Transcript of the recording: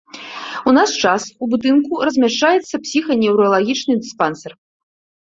У наш час у будынку размяшчаецца псіханеўралагічны дыспансер.